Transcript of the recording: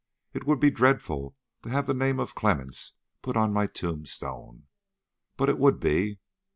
It would be dreadful to have the name of Clemmens put on my tombstone! But it would be.